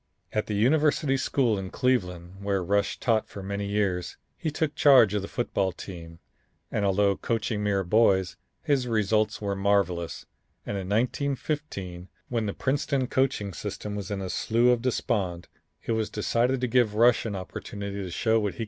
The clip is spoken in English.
At the University School in Cleveland where Rush taught for many years, he took charge of the football team, and although coaching mere boys, his results were marvelous, and in 1915, when the Princeton coaching system was in a slough of despond, it was decided to give Rush an opportunity to show what he could do at Princeton.